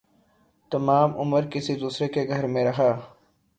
تمام عمر کسی دوسرے کے گھر میں رہا